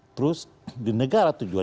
terus di negara tujuan